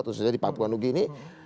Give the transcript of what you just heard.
khususnya di papua nugi ini